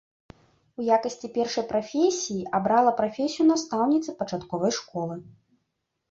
У якасці першай прафесіі абрала прафесію настаўніцы пачатковай школы.